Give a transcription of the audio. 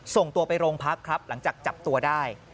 ส่งตัวไปโรงพักครับหลังจากจับตัวได้